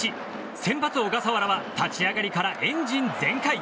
先発、小笠原は立ち上がりからエンジン全開。